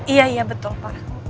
iya iya betul pak